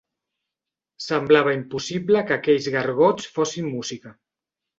Semblava impossible que aquells gargots fossin música.